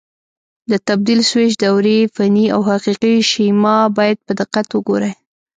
د تبدیل سویچ دورې فني او حقیقي شیما باید په دقت وګورئ.